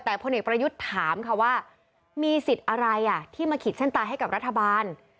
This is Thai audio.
แต่พลเอกปรยุจันโอชาณายกถามว่ามีสิทธิอะไรที่มาขีดเส้นตายให้กับรัฐบาล